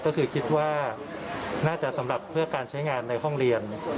ก็คือคิดว่าน่าจะสำหรับเพื่อการใช้งานในห้องเรียน